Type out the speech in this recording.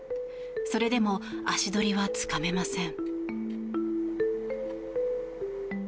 それでも足取りはつかめません。